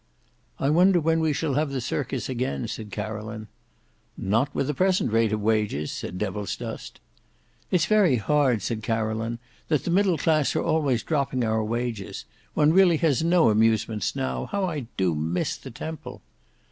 "I wonder when we shall have the Circus again?" said Caroline. "Not with the present rate of wages," said Devilsdust. "It's very hard," said Caroline, "that the Middle Class are always dropping our wages. One really has no amusements now. How I do miss the Temple!"